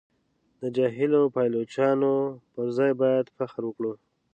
د جاهلو پایلوچانو پر ځای باید فخر وکړو.